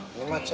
ini mah c